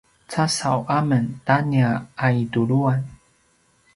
casaw a men ta nia aituluan